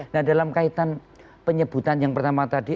nah dalam kaitan penyebutan yang pertama tadi